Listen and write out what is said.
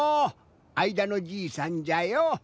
あいだのじいさんじゃよ。